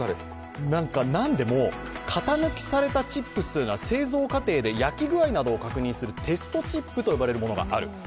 型抜きされたチップスが製造過程で焼き具合などを確認するテストチップと言われるものがある。